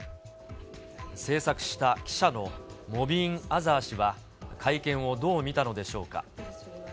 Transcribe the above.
制作した記者のモビーン・アザー氏は会見をどう見たのでしょうか。